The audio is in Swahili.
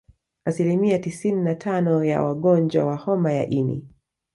Asilimia tisini na tano ya wagonjwa wa homa ya ini